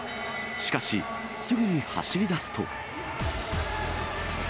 しかし、すぐに走りだすと。